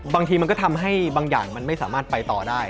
บางทีมันก็ทำให้บางอย่างมันไม่สามารถไปต่อได้